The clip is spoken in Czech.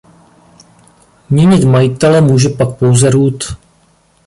Měnit majitele může pak pouze root.